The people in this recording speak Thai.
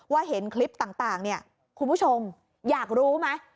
เห็นคลิปต่างเนี่ยคุณผู้ชมอยากรู้ไหม